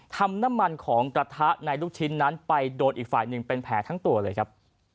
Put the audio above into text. ทำน้ำมันของกระทะในลูกชิ้นนั้นไปโดนอีกฝ่ายหนึ่งเป็นแผลทั้งตัวเลยครับ